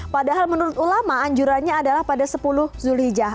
padahal menurut ulama anjurannya adalah pada sepuluh zulhijjah